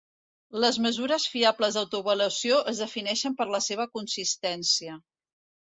Les mesures fiables d'autoavaluació es defineixen per la seva consistència.